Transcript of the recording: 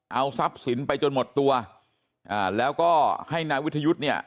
เอาทรัพย์สินไปจนหมดตัวอ่าแล้วก็ให้นายวิทยุทธ์เนี่ย